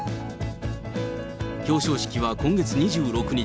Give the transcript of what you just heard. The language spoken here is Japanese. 表彰式は今月２６日。